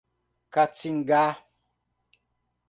Quatiguá